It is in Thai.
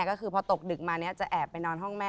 ก็คือพอตกดึกมาจะแอบไปนอนห้องแม่